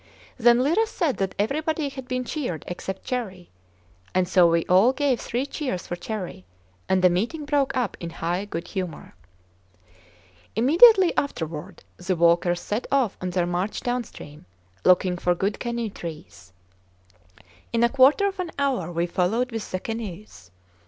Then Lyra said that everybody had been cheered except Cherrie; and so we all gave three cheers for Cherrie, and the meeting broke up in high good humor. Immediately afterward the walkers set off on their march downstream, looking for good canoe trees. In a quarter of an hour we followed with the canoes.